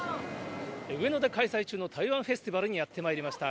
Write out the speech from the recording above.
上野で開催中の台湾フェスティバルにやってまいりました。